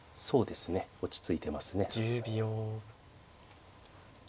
落ち着いてますね。